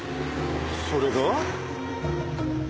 それが？